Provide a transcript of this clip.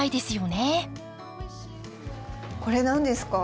これ何ですか？